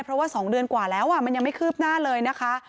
เพราะว่า๒เดือนกว่าแล้วมันยังไม่คืบหน้าเลยนะคะ